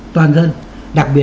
toàn dân đặc biệt